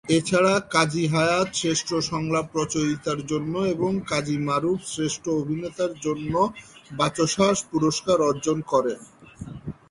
এছাড়া কাজী হায়াৎ শ্রেষ্ঠ সংলাপ রচয়িতার জন্য এবং কাজী মারুফ শ্রেষ্ঠ অভিনেতার জন্য বাচসাস পুরস্কার অর্জন করেন।